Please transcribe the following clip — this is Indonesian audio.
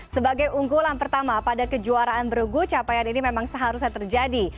sebagai unggulan pertama pada kejuaraan bergu capaian ini memang seharusnya terjadi